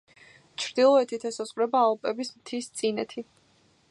ჩრდილოეთით ესაზღვრება ალპების მთისწინეთი.